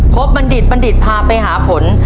บัณฑิตบัณฑิตพาไปหาผล